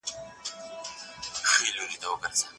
د ټولنیز فشار کمول د کارکوونکو لپاره مهم دي.